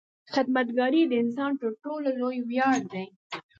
• خدمتګاري د انسان تر ټولو لوی ویاړ دی.